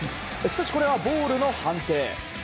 しかし、これはボールの判定。